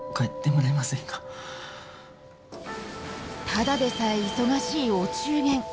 ただでさえ忙しいお中元。